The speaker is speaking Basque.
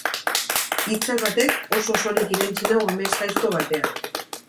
Itzal batek oso osorik irentsi nau amesgaizto batean.